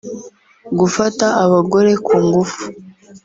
gufata abagore ku ngufu